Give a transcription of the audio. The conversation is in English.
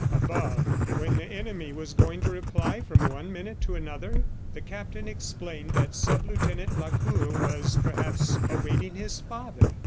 Above, when the enemy was going to reply from one minute to another? ... The captain explained that sub Lieutenant Lacour was perhaps awaiting his father.